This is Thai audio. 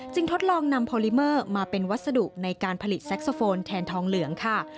ทดลองนำพอลิเมอร์มาเป็นวัสดุในการผลิตแซ็กโซโฟนแทนทองเหลืองค่ะ